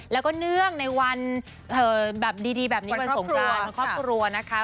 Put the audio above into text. แล้วก็เนื่องในวันแบบดีแบบนี้วันสงกรานครอบครัวนะคะ